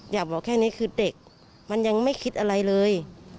อยากบอกแค่นี้คือเด็กมันยังไม่คิดอะไรเลย